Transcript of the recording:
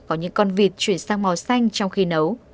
có những con vịt chuyển sang màu xanh trong khi nấu